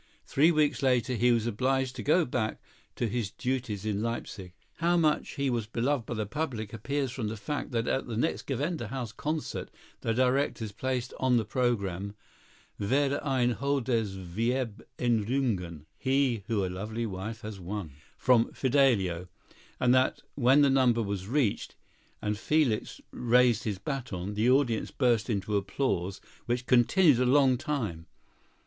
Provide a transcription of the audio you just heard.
Three weeks later he was obliged to go back to his duties at Leipsic. How much he was beloved by the public appears from the fact that at the next Gewandhaus concert the directors placed on the programme, "Wer ein Holdes Weib Errungen" (He who a Lovely Wife has Won) from "Fidelio," and that when the number was reached, and Felix raised his bâton, the audience burst into applause which continued a long time.